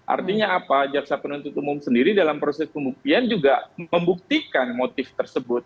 artinya apa jaksa penuntut umum sendiri dalam proses pembuktian juga membuktikan motif tersebut